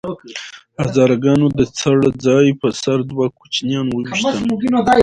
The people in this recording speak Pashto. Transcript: هزاره ګانو د څړ ځای په سر دوه کوچیان وويشتل